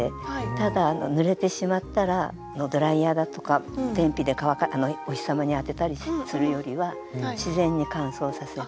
ただぬれてしまったらドライヤーだとか天日で乾かお日様に当てたりするよりは自然に乾燥させる。